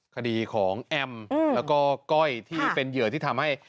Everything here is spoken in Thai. คดีของแอมแล้วก็ก้อยที่เป็นเหยื่อที่ทำให้